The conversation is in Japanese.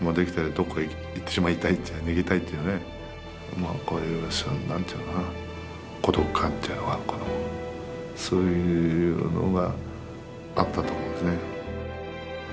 まあこういう何て言うのかな孤独感っていうのがそういうのがあったと思うんですね。